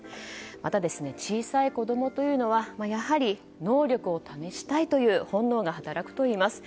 また、小さい子供というのはやはり、能力を試したいという本能が働くといいます。